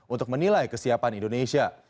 untuk menilai kesiapan indonesia